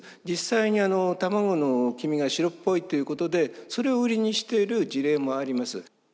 実際に卵の黄身が白っぽいということでそれをウリにしている事例もあります。